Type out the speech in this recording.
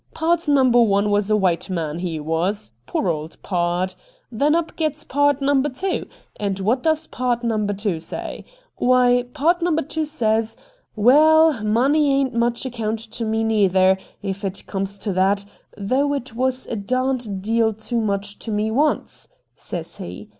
' Pard number one was a white man, he was. Poor old pard ! Then up gets pard number two — and what does pard number two say ? Why pard number two says, '* Waal, money ain't much account to me neither, if it comes to that, though it was a darned deal too much to me once," says he.